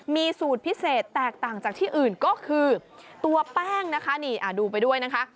มีสูตรพิเศษแตกต่างจากที่อื่นนั่นก็คือตัวแป้งนะคะ